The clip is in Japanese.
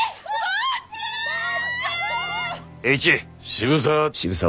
渋沢！